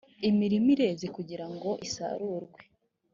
imirima ireze kugira ngo isarurwe